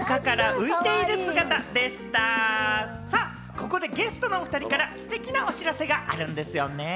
ここでゲストの２人からステキなお知らせがあるんですよね。